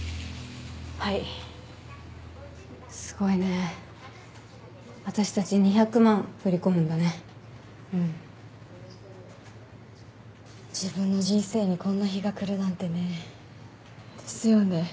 はいすごいね私たち２００万振り込むんだねうん自分の人生にこんな日が来るなんてねですよね